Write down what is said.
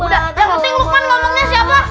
udah yang penting lukman ngomongnya siapa